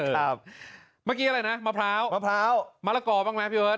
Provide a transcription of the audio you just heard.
เมื่อกี้อะไรนะมะพร้าวมะพร้าวมะละกอบ้างไหมพี่เบิร์